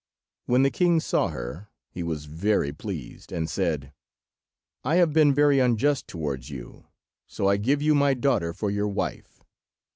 When the king saw her he was very pleased, and said— "I have been very unjust towards you, so I give you my daughter for your wife."